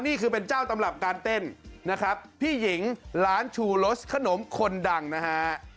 นี่คือเป็นเจ้าตำรับการเต้นนะครับพี่หญิงร้านชูรสขนมคนดังนะฮะ